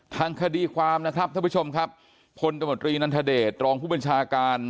ทางคดีความนะครับท่านผู้ชมครับพลตมตรีนันทเดชรองผู้บัญชาการ